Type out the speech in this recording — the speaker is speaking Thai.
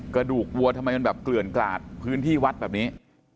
กระดูกวัวทำไมมันแบบเกลื่อนกลาดพื้นที่วัดแบบนี้